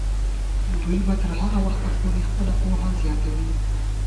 دوی به تر هغه وخته پورې خپله پوهه زیاتوي.